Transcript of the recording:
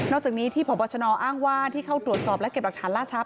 จากนี้ที่พบชนอ้างว่าที่เข้าตรวจสอบและเก็บหลักฐานล่าทรัพ